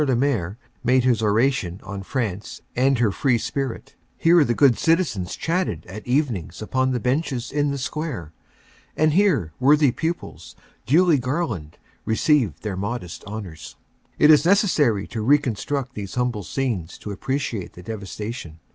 le Maire made his oration on France and her free spirit; here the good citizens chatted at evenings upon the benches in the square ; and here worthy pupils, duly garlanded, received their modest honors. It is necessary to reconstruct these humble scenes to appre ciate the devastation.